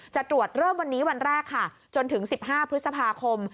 จะตรวจเริ่มวันนี้วันแรกค่ะจนถึง๑๕พฤษภาคม